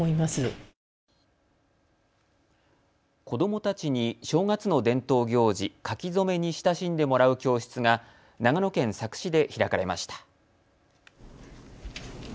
子どもたちに正月の伝統行事、書き初めに親しんでもらう教室が長野県佐久市で開かれました。